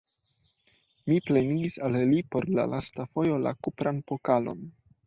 Mi plenigis al li por la lasta fojo la kupran pokalon.